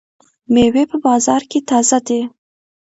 مېوې په بازار کې تازه دي.